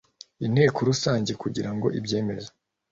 inteko rusange kugirango ibyemeze